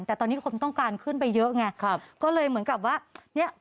แต่ตอนนี้คนต้องการขึ้นไปเยอะไงครับก็เลยเหมือนกับว่าเนี้ย